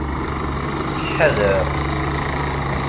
Ttḥadareɣ-t.